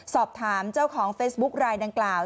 สอบถามเจ้าของเฟซบุ๊คลายดังกล่าว